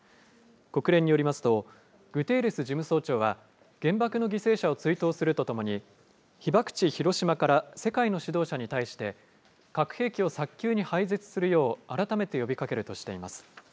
国連によりますと、グテーレス事務総長は、原爆の犠牲者を追悼するとともに、被爆地、広島から世界の指導者に対して、核兵器を早急に廃絶するよう改めて呼びかけるとしています。